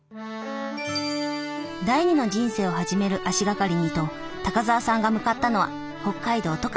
第二の人生を始める足がかりにと高沢さんが向かったのは北海道・十勝。